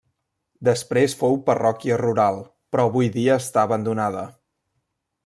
Després fou parròquia rural, però avui dia està abandonada.